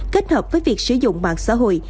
kết hợp với việc sử dụng mạng xã hội